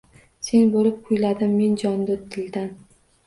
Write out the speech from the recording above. Sen bo’lib kuyladim men jonudildan.